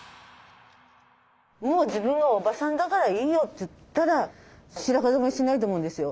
「もう自分はおばさんだからいいよ」って言ったら白髪染めしないと思うんですよ。